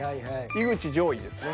井口上位ですね。